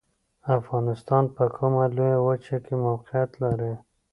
افغانستان په کومه لویه وچې کې موقعیت لري؟